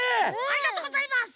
ありがとうございます。